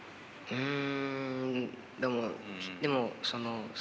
うん？